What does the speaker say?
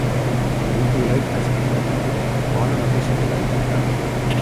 En un piulet ha escrit: Bona notícia de Bèlgica!